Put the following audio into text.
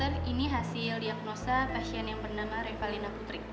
semua hasil diagnosa dok jadi dia sudah kembali ke rumah